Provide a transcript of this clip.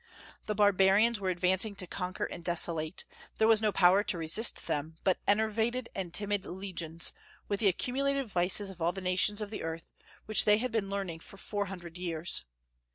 The barbarians were advancing to conquer and desolate; there was no power to resist them but enervated and timid legions, with the accumulated vices of all the nations of the earth, which they had been learning for four hundred years.